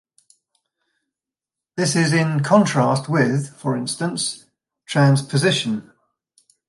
This is in contrast with, for instance, transposition.